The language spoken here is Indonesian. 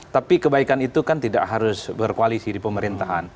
tapi kebaikan itu kan tidak harus berkualisi di pemerintah